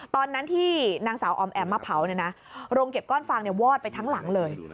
ตอนนั้นที่นางสาวออมแอ๋มมาเผาโรงเก็บก้อนฟางวอดไปทั้งหลังเลย